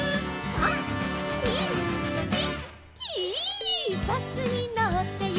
「３・２・１」